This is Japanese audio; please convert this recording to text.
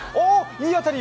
いい当たり！